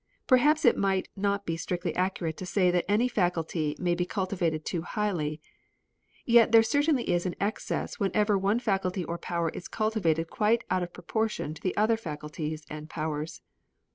Perhaps it might not be strictly accurate to say that any faculty may be cultivated too highly. Yet there certainly is an excess whenever one faculty or power is cultivated quite out of proportion to the other faculties and powers.